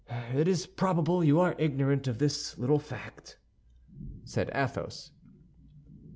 "It is probable you are ignorant of this little fact," said Athos.